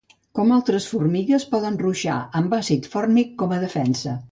Com altres formigues poden ruixar amb àcid fòrmic com a defensa.